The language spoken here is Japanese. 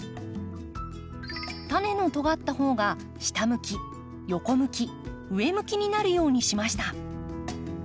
タネのとがった方が下向き横向き上向きになるようにしました。